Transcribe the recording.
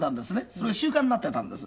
それが習慣になってたんです。